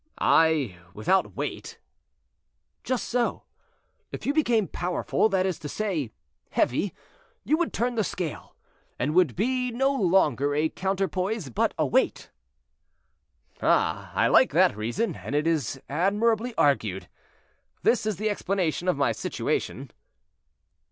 "I, without weight?" "Just so. If you became powerful, that is to say, heavy, you would turn the scale, and would be no longer a counterpoise, but a weight." "Ah! I like that reason, and it is admirably argued. This is the explanation of my situation?"